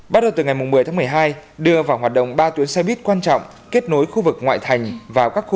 bắt đầu từ ngày một mươi tháng một mươi hai đưa vào hoạt động ba tuyến xe buýt có trợ giá trên địa bàn tp